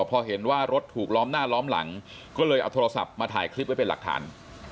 พอเห็นว่ารถถูกล้อมหน้าล้อมหลังก็เลยเอาโทรศัพท์มาถ่ายคลิปไว้เป็นหลักฐาน